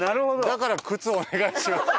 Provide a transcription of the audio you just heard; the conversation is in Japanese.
だから「靴お願いします」。